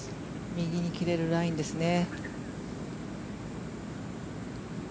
右に切れるラインですね。